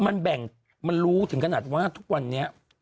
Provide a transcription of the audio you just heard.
มันแบ่งมันรู้ถึงขนาดว่าทุกวันนี้